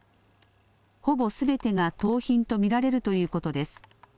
ほぼすべてが盗品と見られるということです。